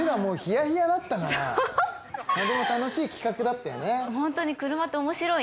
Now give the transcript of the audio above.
でも楽しい企画だったよね。